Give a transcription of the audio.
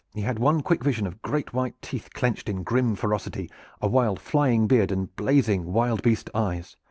He had one quick vision of great white teeth clenched in grim ferocity, a wild flying beard and blazing wild beast eyes.